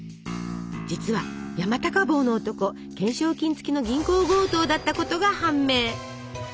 実は山高帽の男懸賞金付きの銀行強盗だったことが判明。